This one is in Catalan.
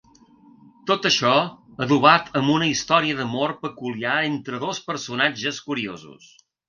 Tot això, adobat amb una història d’amor peculiar entre dos personatges curiosos.